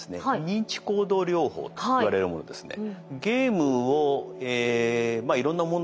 認知行動療法といわれるものですね。